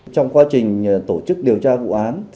trong quá trình tổ chức điều tra vụ án